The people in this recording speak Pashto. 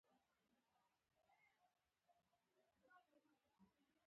څلور پنځوسم سوال د داخلي تفتیش په اړه دی.